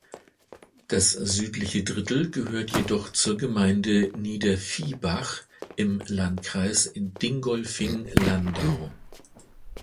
Das südliche Drittel gehört jedoch zur Gemeinde Niederviehbach im Landkreis Dingolfing-Landau.